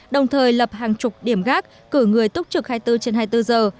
đồng thời lập hàng chục điểm gác cử người túc trực hai mươi bốn trên hai mươi bốn giờ